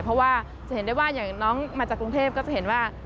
เพราะว่าจะเห็นได้ว่าอย่างน้องมาจากกรุงเทพก็จะเห็นว่า